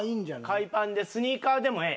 海パンでスニーカーでもええ？